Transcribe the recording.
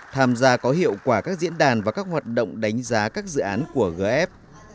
tham gia có hiệu quả các diễn đàn và các hoạt động đánh giá các dự án của gf